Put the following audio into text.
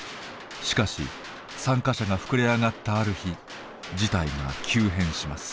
しかし参加者が膨れあがったある日事態が急変します。